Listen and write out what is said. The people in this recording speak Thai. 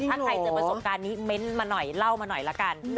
ถ้าใครเจอประสบการณ์นี้เม้นต์มาหน่อยเล่ามาหน่อยละกัน